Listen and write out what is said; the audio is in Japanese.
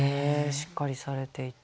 しっかりされていて。